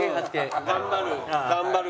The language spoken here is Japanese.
頑張る。